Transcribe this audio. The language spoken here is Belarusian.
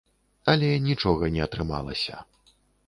Але нічога не атрымалася.